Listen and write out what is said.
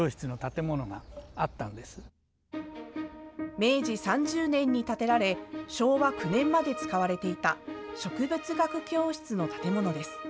明治３０年に建てられ、昭和９年まで使われていた植物学教室の建物です。